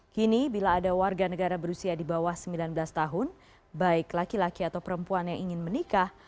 kini bila ada warga negara berusia di bawah sembilan belas tahun baik laki laki atau perempuan yang ingin menikah